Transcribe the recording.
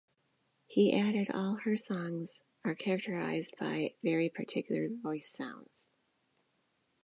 He added that all her songs are characterized by very particular voice sounds.